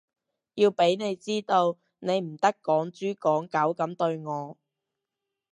要畀你知道，你唔得趕豬趕狗噉對我